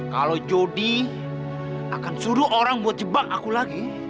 kalau jody akan suruh orang buat jebak aku lagi